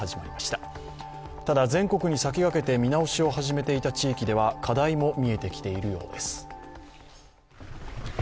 ただ、全国に先駆けて見直しを始めていた地域では課題も見えてきているようです。